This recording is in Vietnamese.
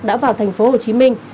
đã vào thành phố hồ chí minh